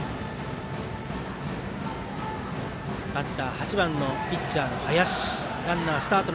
バッター８番のピッチャー、林。